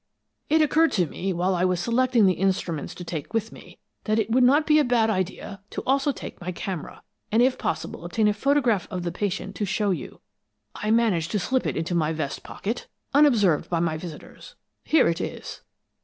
"It occurred to me, while I was selecting the instruments to take with me, that it would not be a bad idea to take also my latest camera, and if possible obtain a photograph of the patient to show you. I managed to slip it into my vest pocket, unobserved by my visitors. Here it is."